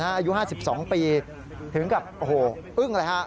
อายุ๕๒ปีถึงกับโอ้โหอึ้งเลยฮะ